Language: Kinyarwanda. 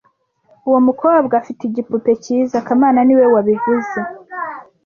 Uwo mukobwa afite igipupe cyiza kamana niwe wabivuze